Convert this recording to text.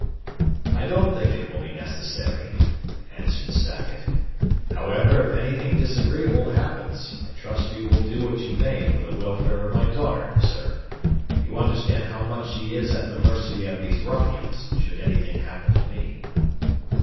"I don't think it will be necessary," answered Sackett. "However, if anything disagreeable happens, I trust you will do what you may for the welfare of my daughter, sir. You understand how much she is at the mercy of these ruffians, should anything happen to me."